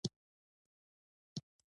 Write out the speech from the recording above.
هلئ نو.